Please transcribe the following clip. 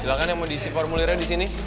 silahkan yang mau diisi formulirnya di sini